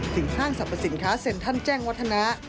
ถึงห้างสรรพสินค้าเซลท์ท่านแจ้งวัฒนะ